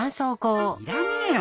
要らねえよ